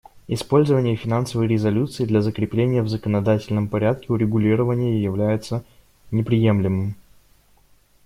Использование финансовой резолюции для закрепления в законодательном порядке урегулирования является неприемлемым.